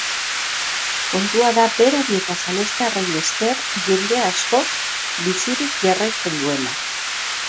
Kontua da berari eta salestarrei esker jende askok bizirik jarraitzen duela.